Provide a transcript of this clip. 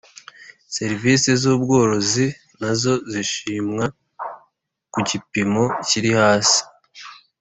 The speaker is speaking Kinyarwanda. serivisi z ubworozi nazo zishimwa ku gipimo kiri hasi